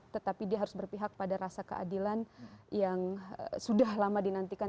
tetapi dia harus berpihak pada rasa keadilan yang sudah lama dinantikan